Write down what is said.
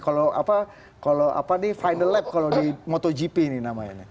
kalau apa kalau apa nih final lap kalau di motogp ini namanya